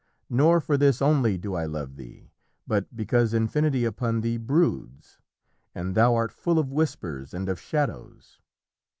Nor for this only do I love thee, but Because Infinity upon thee broods; And thou art full of whispers and of shadows.